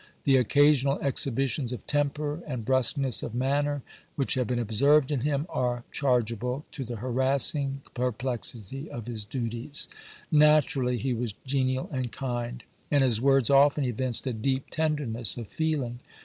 The occasional exhibitions of temper and brusqueness of manner which have been observed in him, are chargeable to the harassing perplexity of his duties ; natur ally he was genial and kind, and his words often evinced a deep tenderness of feeling.